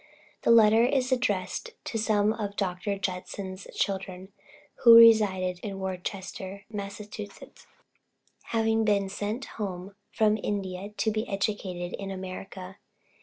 The letter is addressed to some of Dr. Judson's children, who resided in Worcester, Massachusetts, having been sent home from India to be educated in America.